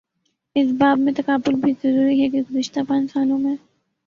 اس باب میں تقابل بھی ضروری ہے کہ گزشتہ پانچ سالوں میں